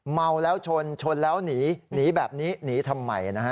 เมาแล้วชนชนแล้วหนีหนีแบบนี้หนีทำไมนะฮะ